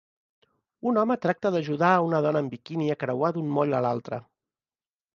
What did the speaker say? Un home tracta d'ajudar a una dona en bikini a creuar d'un moll a l'altre